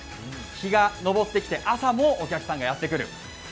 日が昇ってきて、朝もお客さんがやってくる。